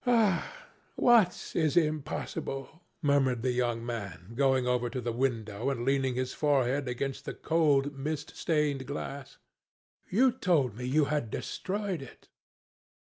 "Ah, what is impossible?" murmured the young man, going over to the window and leaning his forehead against the cold, mist stained glass. "You told me you had destroyed it."